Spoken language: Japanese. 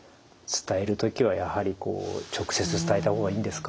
伝える時はやはり直接伝えた方がいいんですか？